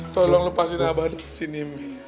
tolong lepaskan abang disini mi